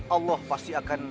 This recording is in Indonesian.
allah pasti akan